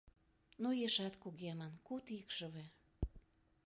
Но ешат кугемын — куд икшыве.